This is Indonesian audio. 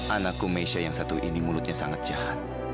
anakku mesha yang satu ini mulutnya sangat jahat